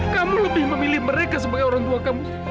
kamu lebih memilih mereka sebagai orang tua kamu